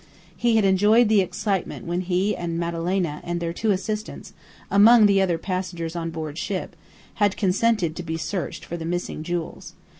He had enjoyed the excitement when he and Madalena and their two assistants, among the other passengers on board ship, had consented to be searched for the missing jewels.